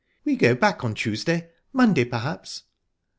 "We go back on Tuesday. Monday perhaps...?"